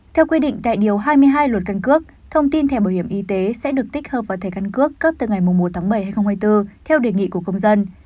theo quy định tại điều hai mươi hai luật căn cước thông tin thẻ bảo hiểm y tế sẽ được tích hợp vào thẻ căn cước cấp từ ngày một tháng bảy hai nghìn hai mươi bốn theo đề nghị của công dân